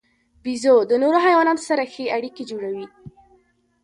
بیزو د نورو حیواناتو سره ښې اړیکې جوړوي.